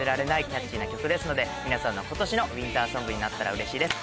キャッチーな曲ですので皆さんの今年のウインターソングになったらうれしいです。